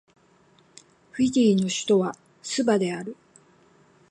フィジーの首都はスバである